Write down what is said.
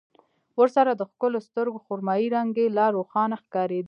ورسره د ښکلو سترګو خرمايي رنګ يې لا روښانه ښکارېده.